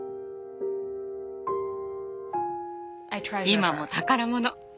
今も宝物。